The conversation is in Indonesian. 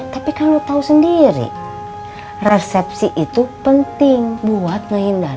tapi kan lo tau sendiri resepsi itu penting buat ngehindar